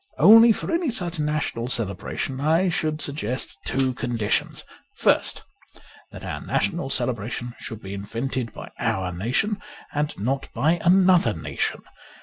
Only for any such national celebration I should suggest two conditions : first, that our national celebration should be invented by our nation and not by another nation.